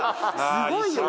すごいよ。